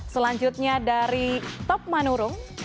selanjutnya dari top manurung